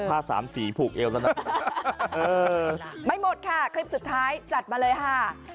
สามสีผูกเอวแล้วนะเออไม่หมดค่ะคลิปสุดท้ายจัดมาเลยค่ะ